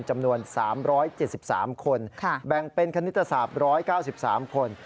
จำนวน๓๗๓คนแบ่งเป็นคณิตศาสตร์๑๙๓คน